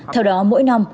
theo đó mỗi năm